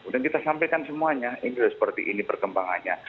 dan kita sampaikan semuanya ini sudah seperti ini perkembangannya